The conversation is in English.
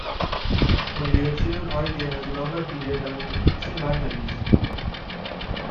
Only Epsilon Aurigae has a longer period among eclipsing binaries.